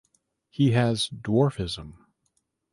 He has dwarfism.